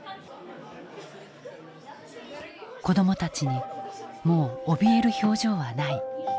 子どもたちにもうおびえる表情はない。